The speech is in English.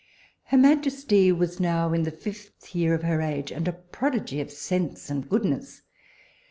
Her majesty was now in the fifth year of her age, and a prodigy of sense and goodness.